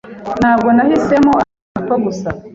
Ntabwo nahisemo akazi ko gusaba.